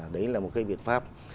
đấy là một cái biện pháp